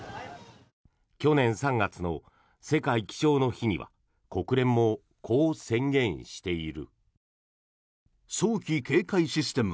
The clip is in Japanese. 去年３月の世界気象の日には国連もこう宣言している。